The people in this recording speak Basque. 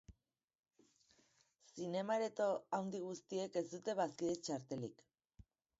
Zinema-areto handi guztiek ez dute bazkide txartelik.